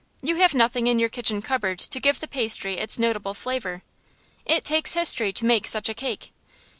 You have nothing in your kitchen cupboard to give the pastry its notable flavor. It takes history to make such a cake.